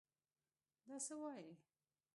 دا څه وايې.